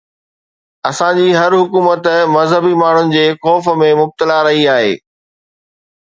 اسان جي هر حڪومت مذهبي ماڻهن جي خوف ۾ مبتلا رهي آهي.